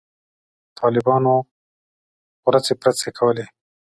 طالبانو غورځې پرځې کولې.